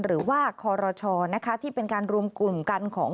หรือว่าคอรชนะคะที่เป็นการรวมกลุ่มกันของ